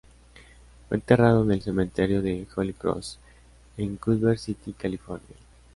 Fue enterrado en el cementerio de Holy Cross, en Culver City, California.